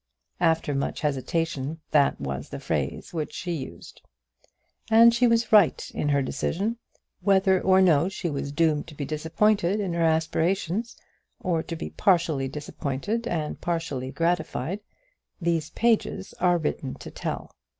After much hesitation, that was the phrase which she used. And she was right in her decision. Whether or no she was doomed to be disappointed in her aspirations, or to be partially disappointed and partially gratified, these pages are written to tell.